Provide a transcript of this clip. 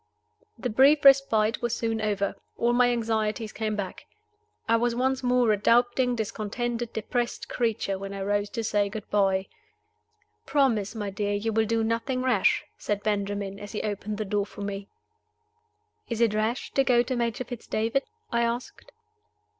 The brief respite was soon over; all my anxieties came back. I was once more a doubting, discontented, depressed creature when I rose to say good by. "Promise, my dear, you will do nothing rash," said Benjamin, as he opened the door for me. "Is it rash to go to Major Fitz David?" I asked.